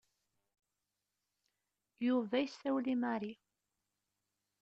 Yuba yessawel i Mary.